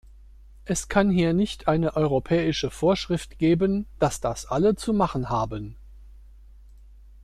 Es kann hier nicht eine europäische Vorschrift geben, dass das alle zu machen haben.